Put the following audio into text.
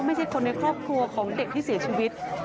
ไม่ใช่คนในครอบครัวของเด็กที่เสียชีวิต